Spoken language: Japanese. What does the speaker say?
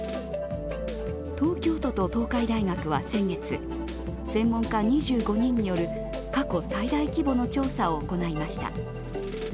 東京都と東海大学は先月専門家２５人による過去最大規模の調整を行いました。